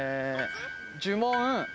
呪文。